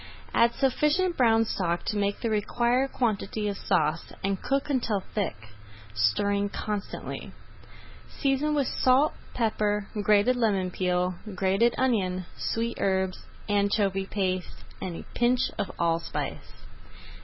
Add sufficient brown stock to make the required quantity of sauce and cook until thick, stirring constantly. Season with salt, pepper, grated lemon peel, grated onion, sweet herbs, anchovy paste, and a pinch of allspice.